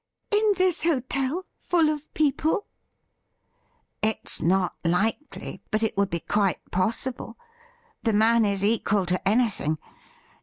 ' In this hotel — full of people i"' 'It's not likely, but it would be quite possible. The man is equal to anything.